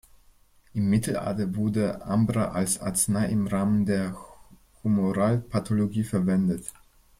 Im Mittelalter wurde Ambra als Arznei im Rahmen der Humoralpathologie verwendet.